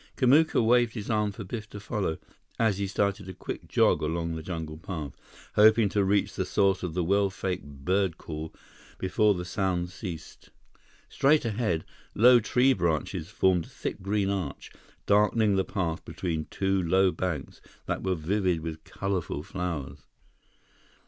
Kamuka waved his arm for Biff to follow, as he started a quick jog along the jungle path, hoping to reach the source of the well faked bird call before the sounds ceased. Straight ahead, low tree branches formed a thick green arch, darkening the path between two low banks that were vivid with colorful flowers.